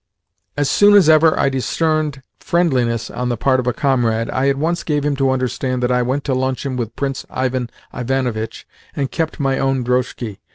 As soon as ever I discerned friendliness on the part of a comrade, I at once gave him to understand that I went to luncheon with Prince Ivan Ivanovitch and kept my own drozhki.